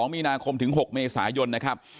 มีนาคมถึง๖เมษายนนะครับ